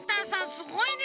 すごいね！